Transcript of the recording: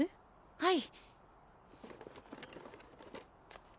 はい。